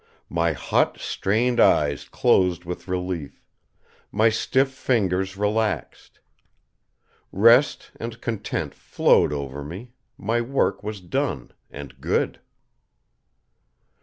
My hot, strained eyes closed with relief, my stiff fingers relaxed. Rest and content flowed over me; my work was done, and good.